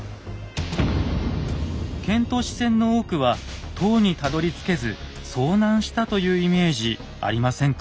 遣唐使船の多くは唐にたどりつけず遭難したというイメージありませんか？